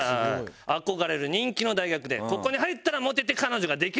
憧れる人気の大学でここに入ったらモテて彼女ができると思って。